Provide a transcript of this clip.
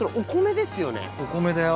お米だよ。